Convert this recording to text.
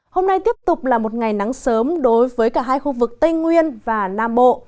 hôm nay tiếp tục là một ngày nắng sớm đối với cả hai khu vực tây nguyên và nam bộ